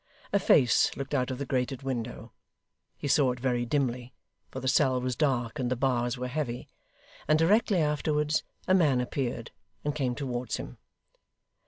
A face looked out of the grated window he saw it very dimly, for the cell was dark and the bars were heavy and directly afterwards, a man appeared, and came towards him.